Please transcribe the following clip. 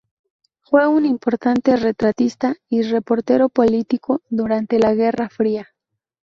Fue un importante retratista y reportero político durante la guerra fría.